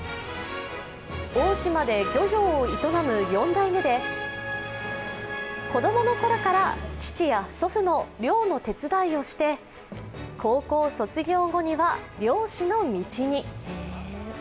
大島で漁業を営む４代目で子供のころから父や祖父の漁の手伝いをして高校卒業後には漁師の道に。